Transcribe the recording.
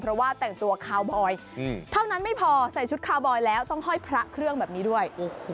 เพราะว่าแต่งตัวคาวบอยเท่านั้นไม่พอใส่ชุดคาวบอยแล้วต้องห้อยพระเครื่องแบบนี้ด้วย